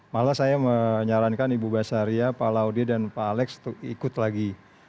malah saya menyarankan ibu basaria pak laude dan pak alex untuk ikut lagi